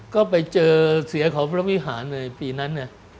ก็ไปเจอเสียของพระวิหารในปีนั้น